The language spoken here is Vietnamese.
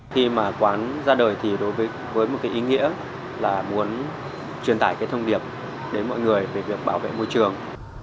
khi mà quán ra đời thì đối với một cái ý nghĩa là muốn truyền tải cái thông điệp đến mọi người về việc bảo vệ môi trường